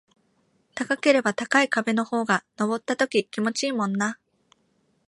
高ければ高い壁の方が登った時気持ちいいもんな